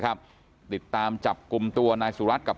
คืออุณหายครับ